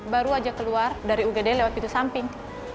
baru aja keluar dari ugd lewat pintu samping